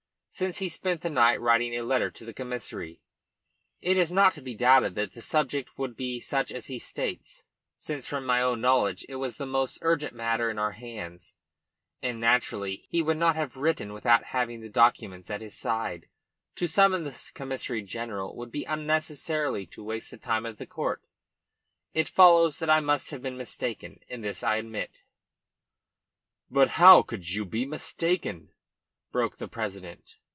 Since he spent the night writing a letter to the Commissary, it is not to be doubted that the subject would be such as he states, since from my own knowledge it was the most urgent matter in our hands. And, naturally, he would not have written without having the documents at his side. To summon the Commissary General would be unnecessarily to waste the time of the court. It follows that I must have been mistaken, and this I admit." "But how could you be mistaken?" broke from the president.